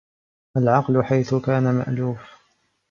الْعَقْلُ حَيْثُ كَانَ مَأْلُوفٌ